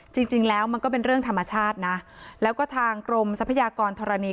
จริงแล้วมันก็เป็นเรื่องธรรมชาตินะแล้วก็ทางกรมทรัพยากรธรณี